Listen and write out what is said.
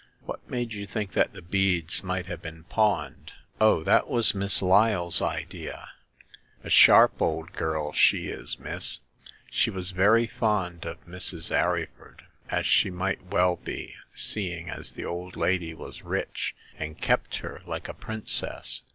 What made you think that the beads might have been pawned ?" "Oh, that was Miss Lyle's idea ; a sharp old 68 Hagar of the Pawn Shop. girl she is, miss. She was very fond of Mrs. Arryford, as she well might be, seeing as the old lady was rich and kept her like a princess.